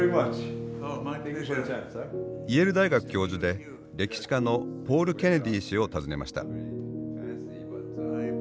イェール大学教授で歴史家のポール・ケネディ氏を訪ねました。